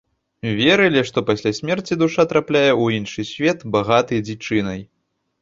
Верылі, што пасля смерці душа трапляе ў іншы свет, багаты дзічынай.